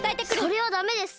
それはダメです！